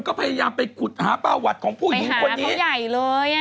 ก็พยายามไปหาเป้าหวัดของผู้หญิงคนนี้ไปหาเขาใหญ่เลย